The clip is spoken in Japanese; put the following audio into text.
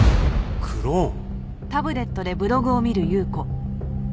クローン？